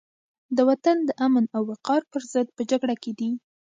د وطن د امن او وقار پرضد په جګړه کې دي.